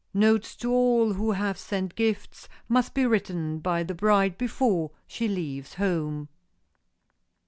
Notes to all who have sent gifts must be written by the bride before she leaves home.